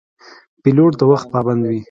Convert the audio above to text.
پیلوټ د وخت پابند وي.